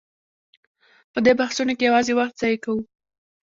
په دې بحثونو کې یوازې وخت ضایع کوو.